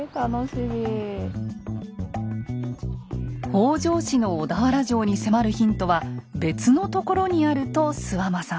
北条氏の小田原城に迫るヒントは別のところにあると諏訪間さん。